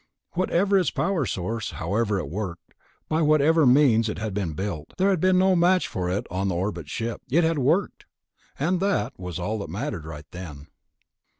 Whatever its power source, however it worked, by whatever means it had been built, there had been no match for it on the orbit ship. It had worked ... and that was all that mattered right then.